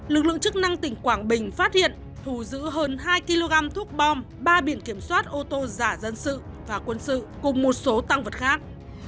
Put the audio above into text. lực lượng chức năng tỉnh quảng bình phát hiện thù giữ hơn hai kg thuốc bom ba biển kiểm soát ô tô giả dân sự và quân sự cùng một số tăng vật khác